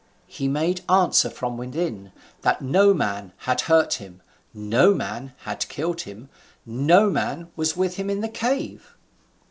He made answer from within that Noman had hurt him, Noman had killed him, Noman was with him in the cave.